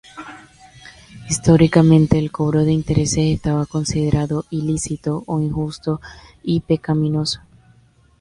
Históricamente el cobro de intereses estaba considerado ilícito o injusto y pecaminoso.